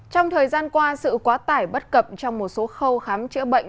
trong thời gian qua sự quá tải bất cập trong một số khâu khám chữa bệnh